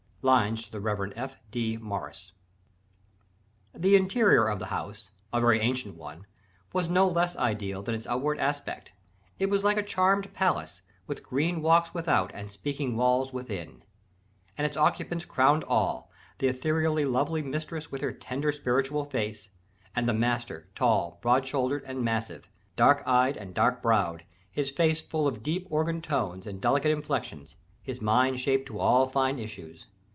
Lines to the Rev. F. D. Maurice. The interior of the house a very ancient one was no less ideal than its outward aspect, "it was like a charmed palace, with green walks without and speaking walls within." And its occupants crowned all the ethereally lovely mistress with her "tender spiritual face," and the master, tall, broad shouldered, and massive, dark eyed and dark browed, his voice full of deep organ tones and delicate inflections, his mind shaped to all fine issues.